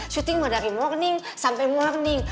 syuting mah dari morning sampe morning